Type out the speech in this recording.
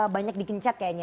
banyak dikencet kayaknya